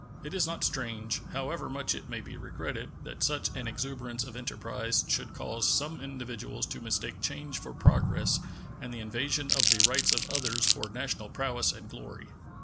It is not strange, however much it may be regretted, that such an exuberance of enterprise should cause some individuals to mistake change for progress and the invasion of the rights of others for national prowess and glory.